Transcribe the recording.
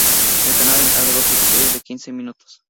El canal encargó doce episodios de quince minutos.